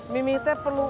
mimite perlu uang